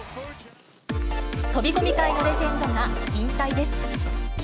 飛び込み界のレジェンドが引退です。